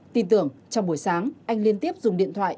tin tưởng trong buổi sáng anh liên tiếp dùng điện thoại